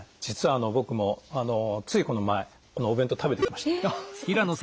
実は僕もついこの前このお弁当食べてきました。